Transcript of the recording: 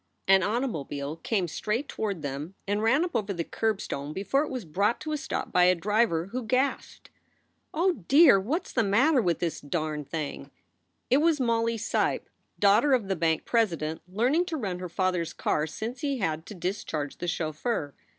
An automobile came straight toward them and ran up over the curbstone before it was brought to a stop by a driver, who gasped: "Oh dear! What s the matter with this darn thing?" It was Molly Seipp, daughter of the bank president, learning to run her father s car since he had to discharge the chauffeur.